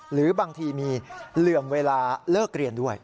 หรือบางทีมีเหลื่อมเวลาเลิกเรียนด้วย